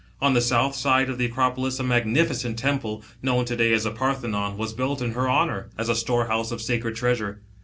On the south side of the Acropolis a magnificent temple, known to day as the Parthenon, was built in her honour, as a storehouse of sacred treasure.